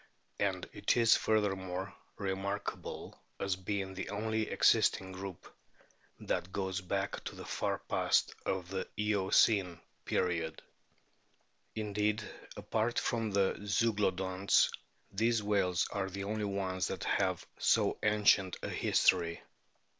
And it is furthermore remarkable as being the only existing group that goes back to the far past of the Eocene period ; indeed, apart from the Zeuglodonts these whales are the only ones that have so ancient a history.